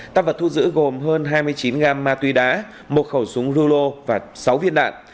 tăng vật thu giữ gồm hơn hai mươi chín gam ma túy đá một khẩu súng rulo và sáu viên đạn